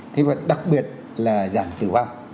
thì đặc biệt là giảm tử vong